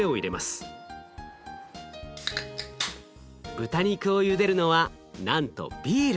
豚肉をゆでるのはなんとビール。